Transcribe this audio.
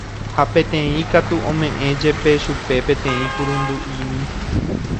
ha peteĩ katu ome'ẽ jepe chupe peteĩ kurundu'imi